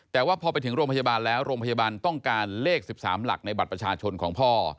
แต่ว่าพอไปถึงโรงพยาบาลแล้วโรงพยาบาลต้องการเลข๑๓หลักในบัตรประชาชนของพ่อ